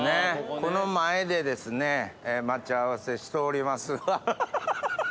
この前でですね、待ち合わせしております。